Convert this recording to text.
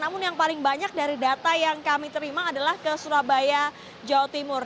namun yang paling banyak dari data yang kami terima adalah ke surabaya jawa timur